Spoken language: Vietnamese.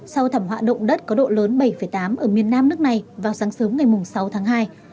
sau thảm họa động đất có độ lớn bảy tám ở miền nam nước này vào sáng sớm ngày sáu tháng hai